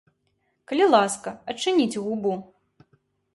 Калі ласка, адчыніце губу.